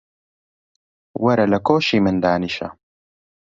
وەرە لە کۆشی من دانیشە.